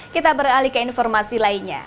kita beralih ke informasi lainnya